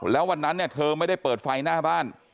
แล้ววันนั้นเนี่ยเธอไม่ได้เปิดไฟหน้าบ้าน